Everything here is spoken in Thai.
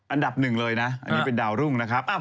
อันดับหนึ่งเลยนะอันนี้เป็นดาวรุ่งนะครับ